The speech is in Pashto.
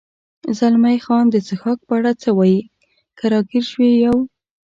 زلمی خان: د څښاک په اړه څه وایې؟ که را ګیر شوي یو.